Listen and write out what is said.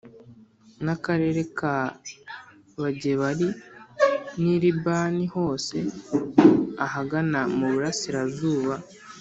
n akarere k Abagebali n i Libani hose ahagana mu burasirazuba